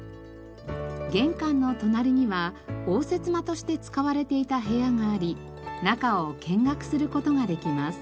玄関の隣には応接間として使われていた部屋があり中を見学する事ができます。